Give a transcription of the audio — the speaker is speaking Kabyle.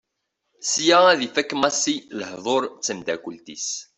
Sya ad ifak Massi lehdur d temddakelt-is.